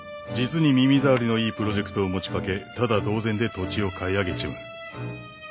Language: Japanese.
実に耳障りのいいプロジェクトを持ち掛けタダ同然で土地を買い上げちまう。